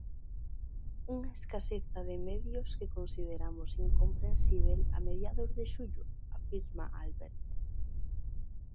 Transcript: "Unha escaseza de medios que consideramos incomprensíbel a mediados de xullo", afirma Albert.